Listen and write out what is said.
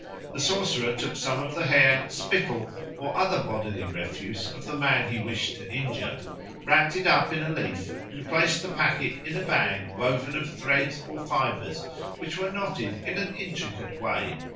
The sorcerer took some of the hair, spittle, or other bodily refuse of the man he wished to injure, wrapped it up in a leaf, and placed the packet in a bag woven of threads or fibres, which were knotted in an intricate way.